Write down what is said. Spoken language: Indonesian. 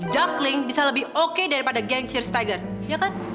duckling bisa lebih oke daripada gang cheers tiger ya kan